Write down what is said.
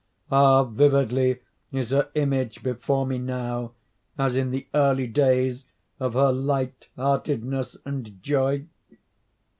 Ah, vividly is her image before me now, as in the early days of her light heartedness and joy!